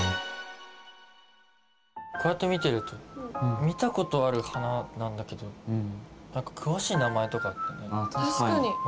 こうやって見てると見た事ある花なんだけど何か詳しい名前とかってね。